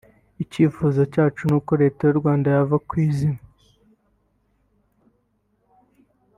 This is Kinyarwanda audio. Icyifuzo cyacu ni uko Leta y’u Rwanda yava ku izima